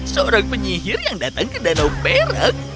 seorang penyihir yang datang ke danau perak